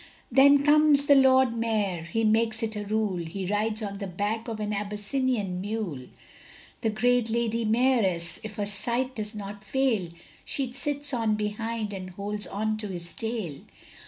Then comes the Lord Mayor he makes it a rule, He rides on the back of an Abyssinian mule; The great Lady Mayoress, if her sight does not fail, She sits on behind, and holds on to his tail.